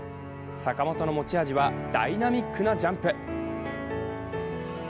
坂本の持ち味はダイナミックなジャンプ。